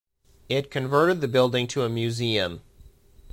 It converted the building to a museum.